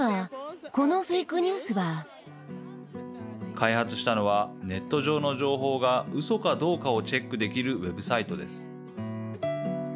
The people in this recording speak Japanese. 開発したのはネット上の情報がウソかどうかをチェックできるウェブサイトです。